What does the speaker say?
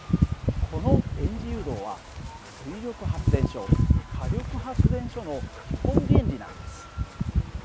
この電磁誘導は水力発電所火力発電所の基本原理なんです。